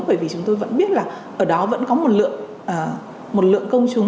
bởi vì chúng tôi vẫn biết là ở đó vẫn có một lượng công chúng